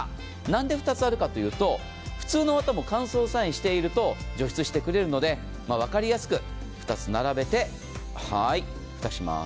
なんで２つあるかというと、普通の綿も乾燥作用していると除湿してくれるので分かりやすく２つ並べて、蓋します。